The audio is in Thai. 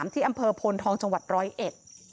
ที่อำเภอพนทองจังหวัด๑๐๑